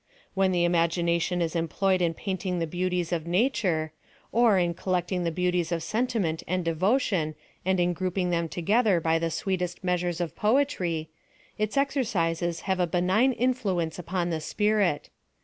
When the imagination is employed in paint ing the beauties of nature ; or, in collecting tho beauties of sentiment and devotion, and in grouping them together by the sweet measures of poetry, its exercises have a benign influence upon the spirit.